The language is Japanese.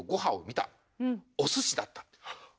お寿司だった。